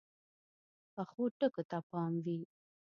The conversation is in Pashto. پخو ټکو ته پام وي